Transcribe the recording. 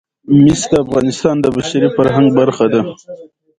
مس د افغانستان د بشري فرهنګ برخه ده.